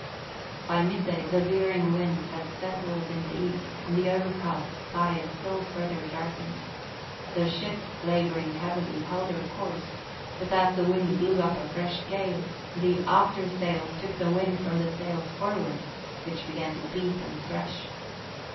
By midday the veering winds had settled in the east and the overcast sky had still further darkened. The ship, labouring heavily, held her course; but as the wind blew up a fresh gale, the after sails took the wind from the sails forward, which began to beat and thresh.